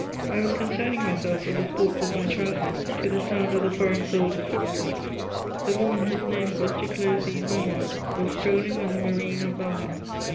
I was concerning myself with the sports of my childhood to the sound of the foreign soldier's footsteps. The woman whose name was to close these Memoirs was strolling on the marine of Baja.